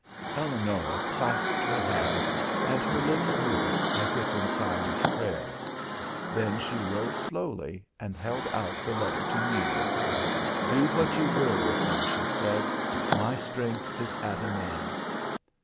Eleonora clasped her hands and her lips moved as if in silent prayer. Then she rose slowly and held out the letters to Muller. "Do what you will with them," she said. "My strength is at an end."